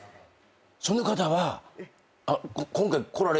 その方は。